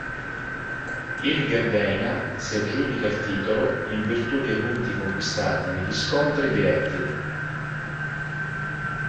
Il Gherdëina si aggiudica il titolo in virtù dei punti conquistati negli scontri diretti.